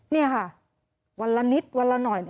นี่ค่ะวันละนิดวันละหน่อย